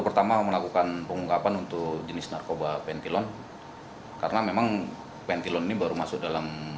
pertama melakukan pengungkapan untuk jenis narkoba pentilon karena memang pentilon ini baru masuk dalam